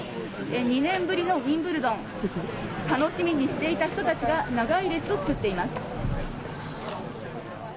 ２年ぶりのウィンブルドン、楽しみにしていた人たちが長い列を作っています。